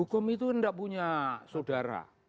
hukum itu tidak punya saudara